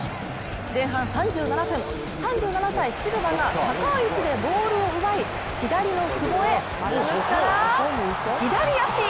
前半３７分、３７歳・シルバが高い位置でボールを奪い左の久保へ、股抜きから左足！